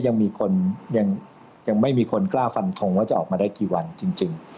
ยังมีคนยังไม่มีคนกล้าฟันทงว่าจะออกมาได้กี่วันจริง